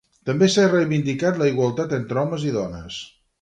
També s’ha reivindicat la igualtat entre homes i dones.